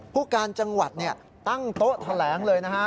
ผู้การจังหวัดตั้งโต๊ะแถลงเลยนะฮะ